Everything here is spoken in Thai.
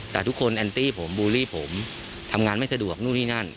แต่ทุกคนแอนตี้ผมบูลลี่ผมทำงานไม่สะดวกนู่นนี่นั่น